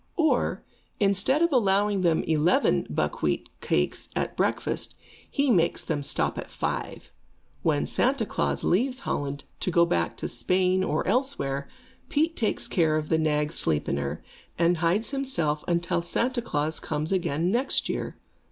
Or, instead of allowing them eleven buckwheat cakes at breakfast, he makes them stop at five. When Santa Klaas leaves Holland to go back to Spain, or elsewhere, Pete takes care of the nag Sleipnir, and hides himself until Santa Klaas comes again next year.